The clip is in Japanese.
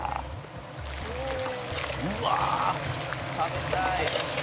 「うわっ食べたい」